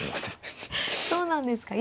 そうなんですか。